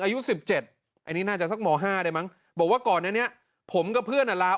โอโหนี่ไงตอนโดนแทงเบะ